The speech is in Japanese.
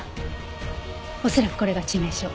恐らくこれが致命傷。